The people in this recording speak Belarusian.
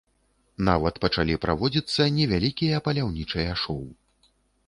Нават пачалі праводзіцца невялікія паляўнічыя шоу.